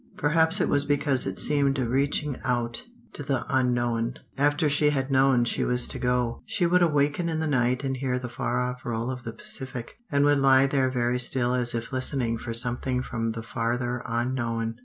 Perhaps it was because it seemed a reaching out to the unknown. After she had known she was to go, she would awaken in the night and hear the far off roll of the Pacific, and would lie there very still as if listening for something from the farther unknown.